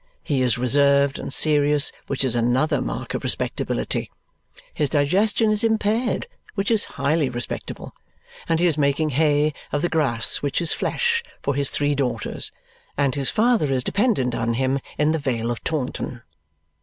He is reserved and serious, which is another mark of respectability. His digestion is impaired, which is highly respectable. And he is making hay of the grass which is flesh, for his three daughters. And his father is dependent on him in the Vale of Taunton.